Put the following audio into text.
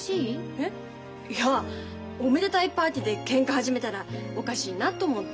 えっいやおめでたいパーティーでけんか始めたらおかしいなと思って。